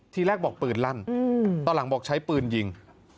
ทีแรกบอกปืนลั่นตอนหลังบอกใช้ปืนยิง